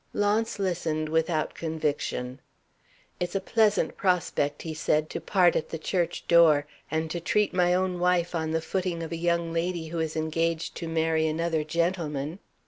Launce listened without conviction. "It's a pleasant prospect," he said, "to part at the church door, and to treat my own wife on the footing of a young lady who is engaged to marry another gentleman."